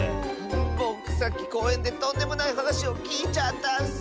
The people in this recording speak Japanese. ぼくさっきこうえんでとんでもないはなしをきいちゃったッス。